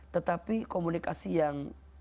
tetapi komunikasi yang